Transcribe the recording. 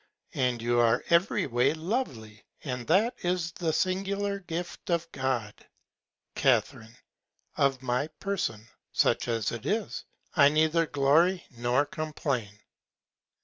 And you are every Way lovely, and that is the singular Gift of God. Ca. Of my Person, such as it is, I neither glory nor complain.